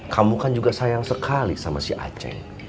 kamu kan juga sayang sekali sama si aceh